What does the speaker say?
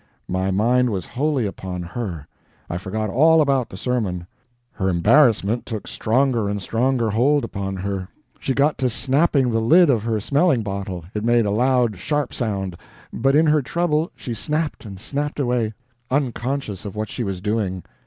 My mind was wholly upon her. I forgot all about the sermon. Her embarrassment took stronger and stronger hold upon her; she got to snapping the lid of her smelling bottle it made a loud, sharp sound, but in her trouble she snapped and snapped away, unconscious of what she was doing.